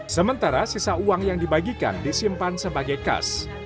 sementara sisa uang yang dibagikan disimpan sebagai kas